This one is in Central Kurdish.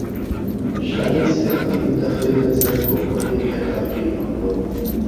شاری سلێمانی دەخرێتە سەر کۆماری عێراقی ئەمڕۆ